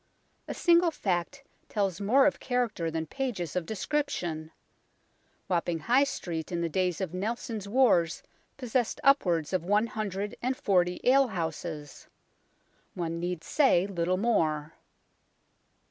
A single fact tells more of character than pages of description. Wapping High Street in the days of Nelson's wars possessed upwards of one hundred and forty ale houses. One need say little more.